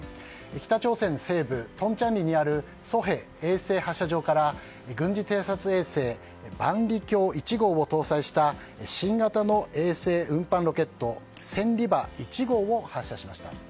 北朝鮮西部トンチャンリにあるソヘ衛星発射場から軍事偵察衛星「万里鏡１号」を搭載した新型の衛星運搬ロケット「千里馬１号」を発射しました。